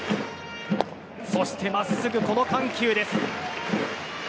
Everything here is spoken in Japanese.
そして真っすぐ、この緩急です。